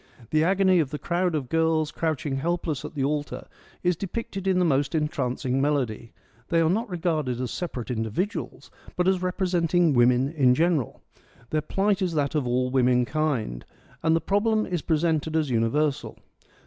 The agony of the crowd of girls crouching helpless at the altar is depicted in the most entrancing melody ; they are not regarded as separate individuals, but as representing women in general ; their plight is that of all womankind, and the problem is presented as universal.